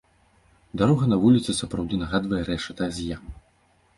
Дарога на вуліцы сапраўды нагадвае рэшата з ям.